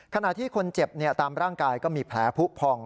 ขณะที่คนเจ็บตามร่างกายก็มีแผลผู้พอง